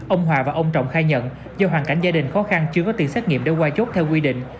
ông hòa và ông trọng khai nhận do hoàn cảnh gia đình khó khăn chưa có tiền xét nghiệm để qua chốt theo quy định